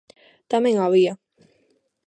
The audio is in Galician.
Tamén a había.